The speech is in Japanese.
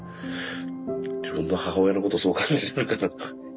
自分の母親のことそう感じるのかな。